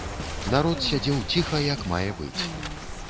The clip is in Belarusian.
Народ сядзеў ціха, як мае быць.